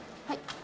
はい。